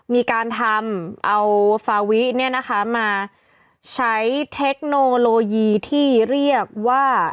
มีการทำเอาฟาวิเนี่ยนะคะมาใช้เทคโนโลยีที่เรียกว่า